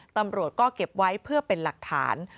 ตำรวจก็เก็บไว้เพื่อเป็นหลักฐาน